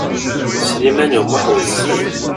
Sliman U Muḥ wezzil.